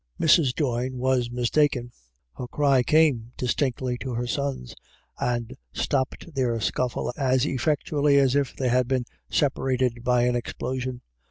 Mrs. Doyne was mistaken. Her cry came dis tinctly to her sons, and stopped their scuffle as effectually as if they had been separated by an explosion.